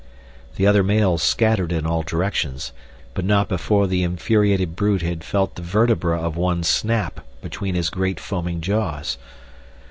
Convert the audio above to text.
The other males scattered in all directions, but not before the infuriated brute had felt the vertebra of one snap between his great, foaming jaws.